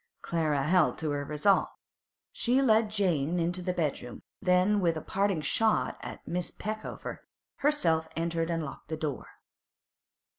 Clara held to her resolve. She led Jane into the bedroom, then, with a parting shot at Miss Peckover, herself entered and locked the door.